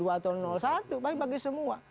atau satu tapi bagi semua